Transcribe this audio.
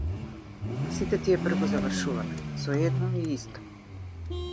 Сите тие бргу завршувале, со едно и исто.